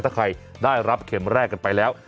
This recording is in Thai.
ถ้าใครได้รับเข็มแรกกันไปแล้ว